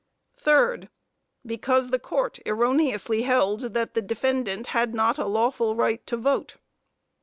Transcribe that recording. Third Because the court erroneously held, that the defendant had not a lawful right to vote.